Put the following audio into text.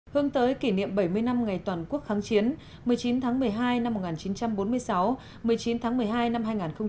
hướng tới kỷ niệm bảy mươi năm ngày toàn quốc kháng chiến một mươi chín tháng một mươi hai năm một nghìn chín trăm bốn mươi sáu một mươi chín tháng một mươi hai năm hai nghìn một mươi chín